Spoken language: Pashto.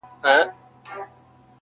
ما یې په غېږه کي ګُلونه غوښتل!